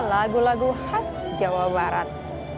lagu lagu khas jawa barat